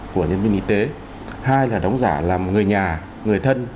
của nhân viên y tế hai là đóng giả là người nhà người thân